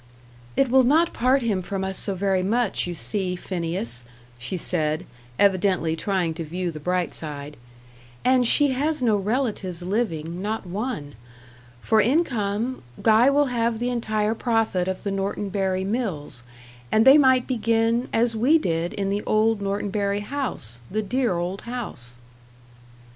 "It will not part him from us so very much, you see, Phineas," she said, evidently trying to view the bright side "and she has no relatives living not one. For income Guy will have the entire profit of the Norton Bury mills; and they might begin, as we did, in the old Norton Bury house the dear old house."